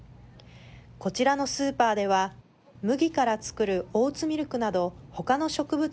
こちらのスーパーでは麦から作るオーツミルクなど他の植物